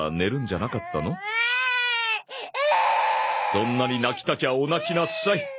そんなに泣きたきゃお泣きなさい。